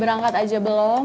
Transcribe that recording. berangkat aja belum